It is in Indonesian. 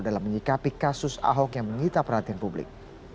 dalam menyikapi kasus ahok yang mengita perhatian publik